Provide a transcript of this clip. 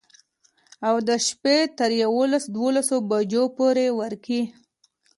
او د شپي تر يوولس دولسو بجو پورې ورقې.